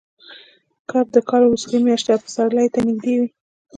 کب د کال وروستۍ میاشت ده او پسرلي ته نږدې وي.